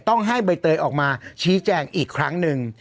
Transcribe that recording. ต้องให้ใบเตยออกมาชี้แจงอีกครั้งหนึ่ง